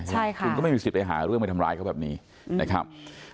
ใช่ค่ะคุณก็ไม่มีสิทธิ์ไปหาเรื่องไปทำร้ายเขาแบบนี้นะครับ